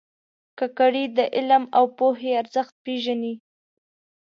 کاکړي د علم او پوهې ارزښت پېژني.